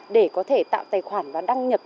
để có thể tạo tài khoản và đăng nhập